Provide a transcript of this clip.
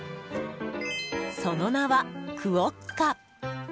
その名は、クオッカ。